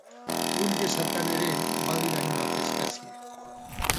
Ur gezatan ere badira hainbat espezie.